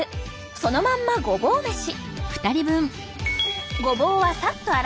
そのまんまごぼう飯。